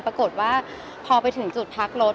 ปรากฏว่าพอไปถึงจุดพักรถ